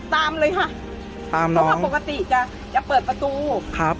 ตามเลยค่ะตามเพราะว่าปกติจะจะเปิดประตูครับ